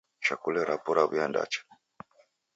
Chakule rapo raw'uya ndacha